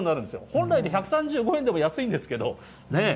本来、１３５円でも安いんですけど。